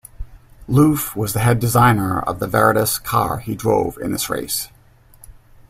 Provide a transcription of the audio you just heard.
Loof was the head designer of the Veritas car he drove in this race.